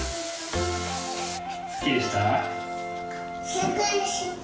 すっきりした？